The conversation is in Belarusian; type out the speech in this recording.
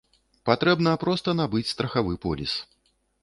Патрэбна проста набыць страхавы поліс.